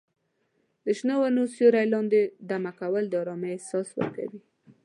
د شنو ونو سیوري لاندې دمه کول د ارامۍ احساس ورکوي.